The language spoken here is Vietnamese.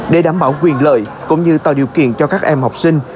để đảm bảo quyền lợi cũng như tạo điều kiện cho các em học sinh